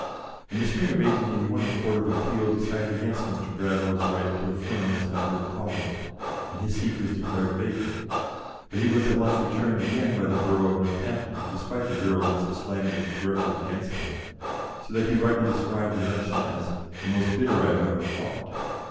In the spring of 1881 the Court of Appeal decided against Mr. Bradlaugh's right to affirm as Member of Parliament, and his seat was declared vacant, but he was at once returned again by the borough of Northampton, despite the virulence of slander directed against him, so that he rightly described the election as "the most bitter I have ever fought."